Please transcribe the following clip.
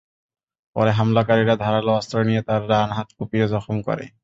পরে হামলাকারীরা ধারালো অস্ত্র দিয়ে তাঁর ডান হাত কুপিয়ে জখম করে।